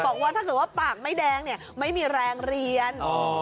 บอกว่าถ้าเกิดว่าปากไม่แดงเนี่ยไม่มีแรงเรียน